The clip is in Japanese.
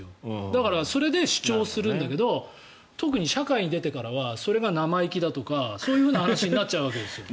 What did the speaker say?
だからそれで主張するんだけど特に社会に出てからはそれが生意気だとかという話になっちゃうんです。